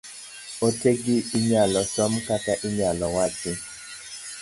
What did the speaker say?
Ote gi inyalo som kata inyalo wachi.